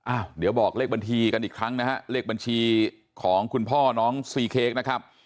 อ้าวเดี๋ยวบอกเลขบัญชีกันอีกครั้งนะฮะเลขบัญชีของคุณพ่อน้องซีเค้กนะครับ